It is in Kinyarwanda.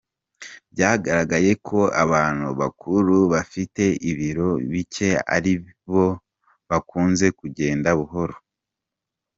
Byagaragaye ko abantu bakuru bafite ibilo bike aribo bakunze kugenda buhoro.